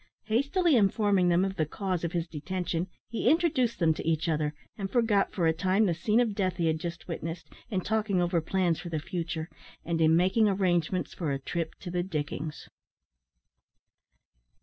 Hastily informing them of the cause of his detention, he introduced them to each other, and forgot for a time the scene of death he had just witnessed, in talking over plans for the future, and in making arrangements for a trip to the diggings.